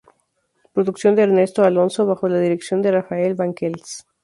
Producción de Ernesto Alonso bajo la dirección de Rafael Banquells.